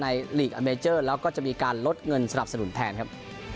ลีกอเมเจอร์แล้วก็จะมีการลดเงินสนับสนุนแทนครับ